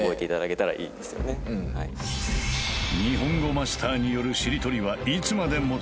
日本語マスターによるしりとりはイツマデモツカ？